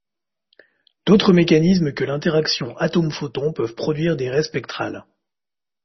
D'autres mécanismes que l'interaction atome-photon peuvent produire des raies spectrales.